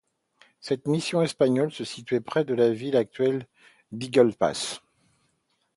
Cette mission espagnole se situait près de la ville actuelle d'Eagle Pass.